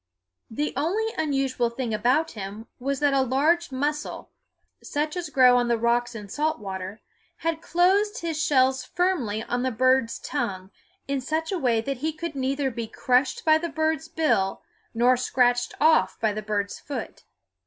The only unusual thing about him was that a large mussel, such as grow on the rocks in salt water, had closed his shells firmly on the bird's tongue in such a way that he could neither be crushed by the bird's bill nor scratched off by the bird's foot.